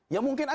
ya mungkin ada